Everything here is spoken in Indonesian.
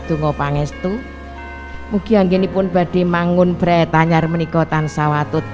tunggu pangestu mugi yang gini pun badi manggun bre tanyar menikotan sawatutu